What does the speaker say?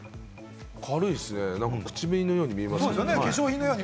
軽いっすね、口紅のように見えます。